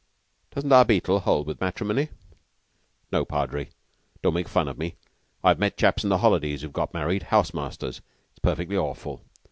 "Doesn't our Beetle hold with matrimony?" "No, Padre; don't make fun of me. I've met chaps in the holidays who've got married house masters. It's perfectly awful!